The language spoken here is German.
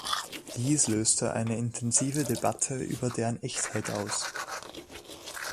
Dies löste eine intensive Debatte über deren Echtheit aus.